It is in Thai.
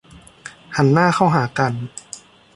หันหน้าเข้าหากัน